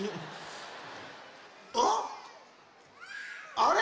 あれ？